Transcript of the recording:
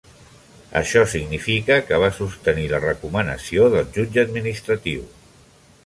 Això significa que va sostenir la recomanació del jutge administratiu.